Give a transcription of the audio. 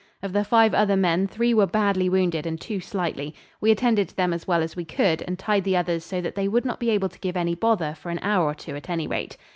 Of the five other men, three were badly wounded and two slightly. We attended to them as well as we could, and tied the others so that they would not be able to give any bother for an hour or two at any rate.